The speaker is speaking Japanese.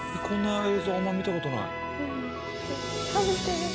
こんな映像あんま見たことない。